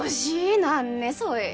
何ねそい